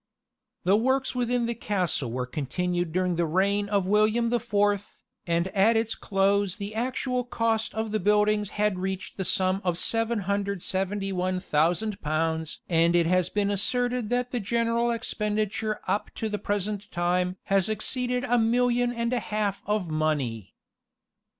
The works within the castle were continued during the reign of William the Fourth, and at its close the actual cost of the buildings had reached the sum of 771,000, pounds and it has been asserted that the general expenditure up to the present time has exceeded a million and a half of money.